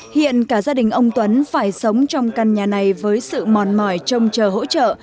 hiện cả gia đình ông tuấn phải sống trong căn nhà này với sự mòn mỏi trông chờ hỗ trợ